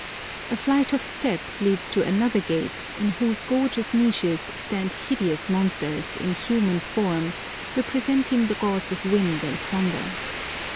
A flight of steps leads to another gate, in whose gorgeous niches stand hideous monsters, in human form, representing the gods of wind and thunder.